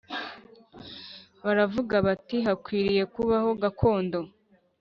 Baravuga bati Hakwiriye kubaho gakondo